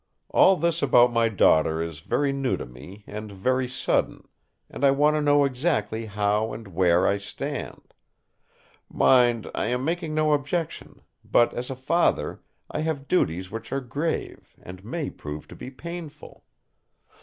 All this about my daughter is very new to me, and very sudden; and I want to know exactly how and where I stand. Mind, I am making no objection; but as a father I have duties which are grave, and may prove to be painful.